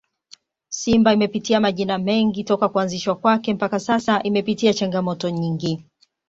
Simba imepitia majina mengi toka kuanzishwa kwake mpaka sasa imepitia changamoto nyingi